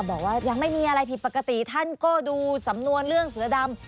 บอกว่ายังไม่มีอะไรผิดปกติท่านก็ดูสำนวนเรื่องเสือดำ